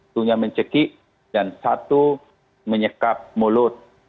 punya mencekik dan satu menyekap mulut